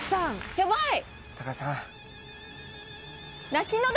ヤバい！